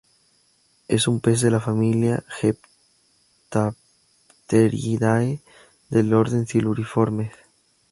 Es un pez de la familia Heptapteridae del orden Siluriformes.